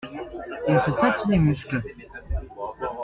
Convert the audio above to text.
Il se tâte les muscles.